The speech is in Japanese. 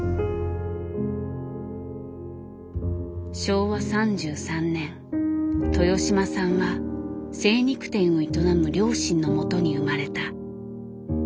昭和３３年豊島さんは精肉店を営む両親のもとに生まれた。